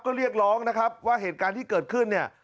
ก็เรียกร้องนะครับว่าเหตุการณ์ที่เกิดขึ้นเนี่ย